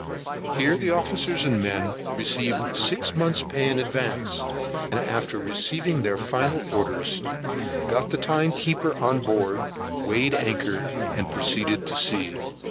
Here the officers and men received six months pay in advance, and after receiving their final orders, got the time keeper on board, weighed anchor, and proceeded to sea.